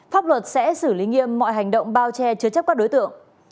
pháp luật sẽ xử lý nghiêm mọi hành động bao che chứa chấp các đối tượng